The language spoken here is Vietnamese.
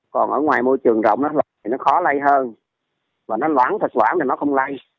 còn ở ngoài môi trường rộng thì nó khó lây hơn và nó loãng thực quản thì nó không lây